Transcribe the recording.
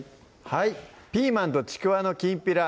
はい「ピーマンとちくわのきんぴら」